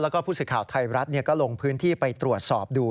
แล้วก็ผู้สื่อข่าวไทยรัฐก็ลงพื้นที่ไปตรวจสอบดู